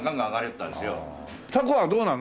たこはどうなの？